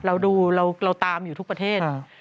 เราดูเราตามอยู่ทุกประเทศ